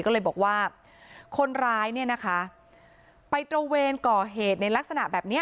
ก็เลยบอกว่าคนร้ายเนี่ยนะคะไปตระเวนก่อเหตุในลักษณะแบบนี้